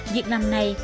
việc nằm này